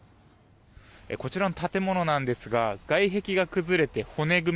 こちらの建物なんですが外壁が崩れて骨組み